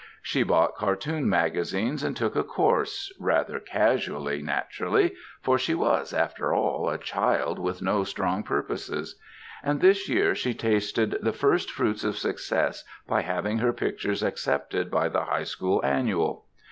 She bought cartoon magazines and took a course rather casually, naturally, for she was, after all, a child with no strong purposes and this year she tasted the first fruits of success by having her pictures accepted by the High School Annual.